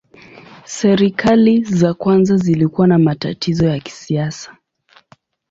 Serikali za kwanza zilikuwa na matatizo ya kisiasa.